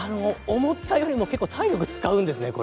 思ったよりも結構体力使うんですねこれ。